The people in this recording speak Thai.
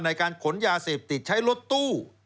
ในการขนยาเสพติดใช้รถตู้